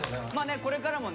これからもね